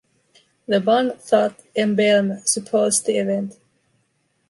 The Ban That emblem supports the event.